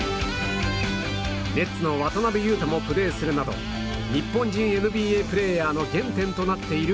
ネッツの渡邊雄太もプレーするなど日本人ＮＢＡプレーヤーの原点となっている